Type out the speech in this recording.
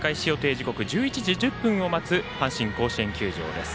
時刻１１時１０分を待つ阪神甲子園球場です。